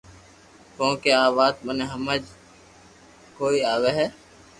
ڪونڪھ آ وات مني ھمگ ۾ڪوئي آوي ھي